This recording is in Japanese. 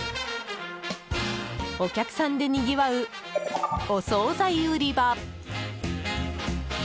お客さんでにぎわうお総菜売り場。